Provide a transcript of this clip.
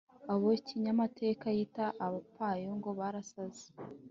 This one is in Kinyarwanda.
abo kinyamateka yita abapfayongo barasaze